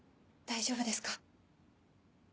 大丈夫です。